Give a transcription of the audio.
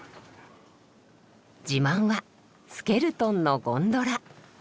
自慢はスケルトンのゴンドラ。